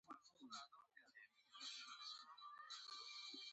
ښاري سیمو نفوس کم شو.